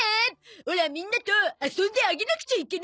オラみんなと遊んであげなくちゃいけないから。